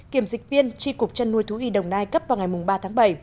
kiểm dịch viên tri cục trăn nuôi thú y đồng nai cấp vào ngày ba tháng bảy